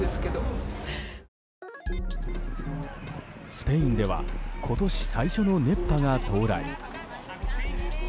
スペインでは今年最初の熱波が到来。